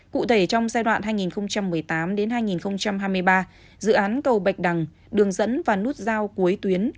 cụ thể trong giai đoạn hai nghìn một mươi tám hai nghìn hai mươi ba dự án cầu bạch đằng đường dẫn và nút giao cuối tuyến